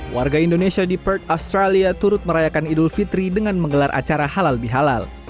warga indonesia di perth australia turut merayakan idul fitri dengan menggelar acara halal bihalal